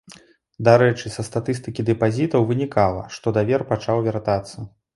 Дарэчы, са статыстыкі дэпазітаў вынікала, што давер пачаў вяртацца.